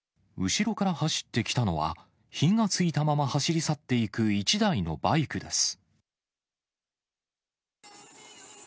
後ろから走ってきたのは、火がついたまま走り去っていく１台のバイクです。